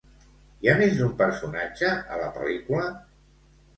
Hi ha més d'un personatge a la pel·lícula?